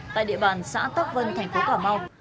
tại địa bàn xã tắc vân thành phố cà mau